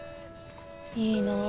いいなあ。